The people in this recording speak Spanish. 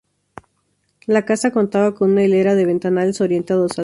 La casa contaba con una hilera de ventanales orientados al sur.